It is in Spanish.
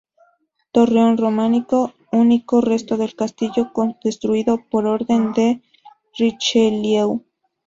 Torreón románico, único resto del castillo, destruido por orden de Richelieu.